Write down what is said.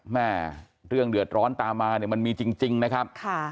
แม่เรื่องเดือดร้อนตามมาเนี่ยมันมีจริงนะครับ